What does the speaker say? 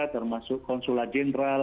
termasuk konsulat jenderal